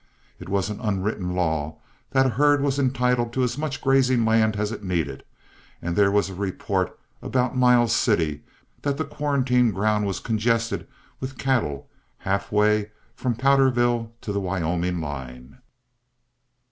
It was an unwritten law that a herd was entitled to as much grazing land as it needed, and there was a report about Miles City that the quarantine ground was congested with cattle halfway from Powderville to the Wyoming line.